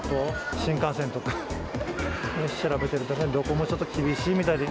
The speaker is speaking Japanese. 新幹線とか、今調べてるけど、どこもちょっと厳しいみたいで。